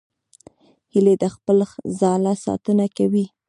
هیلۍ د خپل ځاله ساتنه کوي